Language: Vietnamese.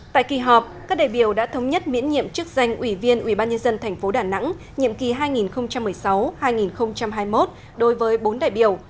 tại kỳ họp các đại biểu đã thống nhất miễn nhiệm chức danh ủy viên ubnd tp đà nẵng nhiệm kỳ hai nghìn một mươi sáu hai nghìn hai mươi một đối với bốn đại biểu